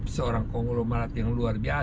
seorang kongulo marat yang luar biasa